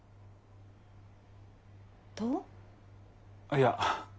あっいや。